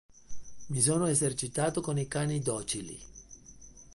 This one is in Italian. Mi sono esercitato con i cani docili.